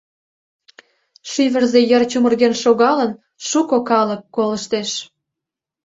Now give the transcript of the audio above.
Шӱвырзӧ йыр чумырген шогалын, шуко калык колыштеш.